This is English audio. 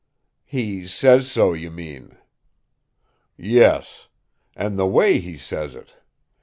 "He says so, you mean." "Yes; and the way he says it.